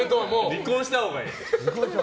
離婚したほうがいい。